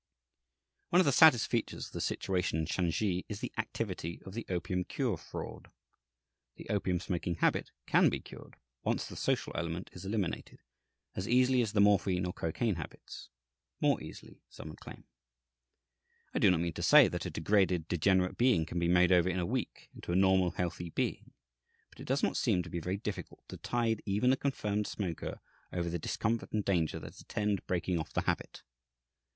One of the saddest features of the situation in Shansi is the activity of the opium cure fraud. The opium smoking habit can be cured, once the social element is eliminated, as easily as the morphine or cocaine habits more easily, some would claim. I do not mean to say that a degraded, degenerate being can be made over, in a week, into a normal, healthy being; but it does not seem to be very difficult to tide even the confirmed smoker over the discomfort and danger that attend breaking off the habit.